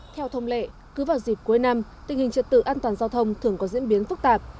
theo thông lệ cứ vào dịp cuối năm tình hình trật tự an toàn giao thông thường có diễn biến phức tạp